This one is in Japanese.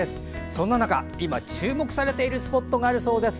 そんな中今、注目されているスポットがあるそうです。